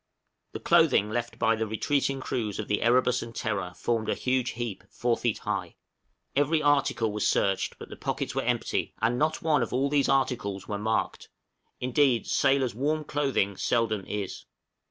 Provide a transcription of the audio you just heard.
The clothing left by the retreating crews of the 'Erebus' and 'Terror' formed a huge heap four feet high; every article was searched, but the pockets were empty, and not one of all these articles were marked, indeed sailors' warm clothing seldom is.